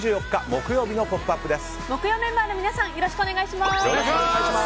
木曜メンバーの皆さんよろしくお願いします。